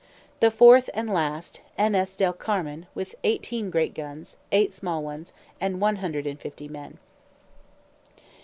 The fourth and last, N. S. del Carmen, with eighteen great guns, eight small ones, and one hundred and fifty men.